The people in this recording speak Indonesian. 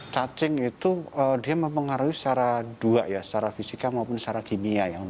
cacing itu dia mempengaruhi secara dua ya secara fisika maupun secara kimia